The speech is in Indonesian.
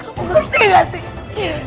kamu ngerti gak sih